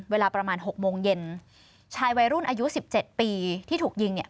เวลาประมาณหกโมงเย็นชายวัยรุ่นอายุสิบเจ็ดปีที่ถูกยิงเนี่ย